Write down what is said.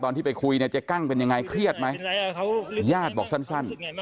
ที่ไปคุยเนี่ยเจ๊กั้งเป็นยังไงเครียดไหมญาติบอกสั้น